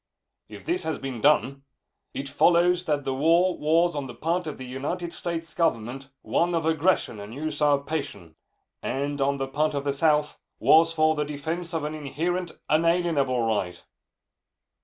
If this has been done, it follows that the war was, on the part of the United States Government, one of aggression and usurpation, and, on the part of the South, was for the defense of an inherent, unalienable right.